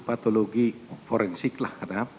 patologi forensik lah